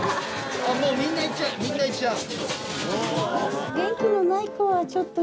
みんな行っちゃう。